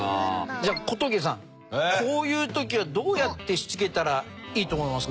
じゃあ小峠さんこういう時はどうやってしつけたらいいと思いますか？